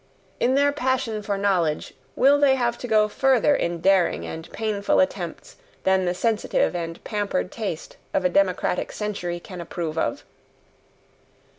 In their passion for knowledge, will they have to go further in daring and painful attempts than the sensitive and pampered taste of a democratic century can approve of?